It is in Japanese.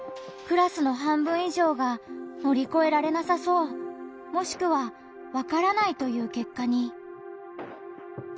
クラスの半分以上が「乗り越えられなさそう」もしくは「わからない」という結果に。